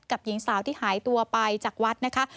หญิงสาวที่หายตัวไปจากวัดนะคะ